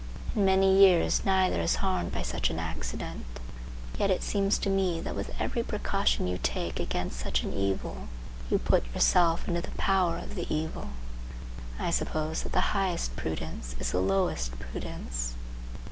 In many years neither is harmed by such an accident. Yet it seems to me that with every precaution you take against such an evil you put yourself into the power of the evil. I suppose that the highest prudence is the lowest prudence.